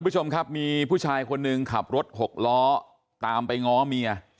คุณผู้ชมครับมีผู้ชายคนหนึ่งขับรถหกล้อตามไปง้อเมีย